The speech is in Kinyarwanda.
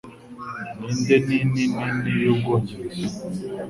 Ninde Nini Nini Nini y'Ubwongereza?